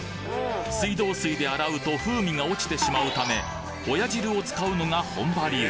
水道水で洗うと風味が落ちてしまうためホヤ汁を使うのが本場流。